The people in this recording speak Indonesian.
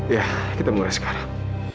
ya kita mulai sekarang